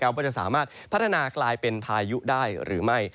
ว่าจะสามารถพัฒนากลายเป็นพายุได้หรือไม่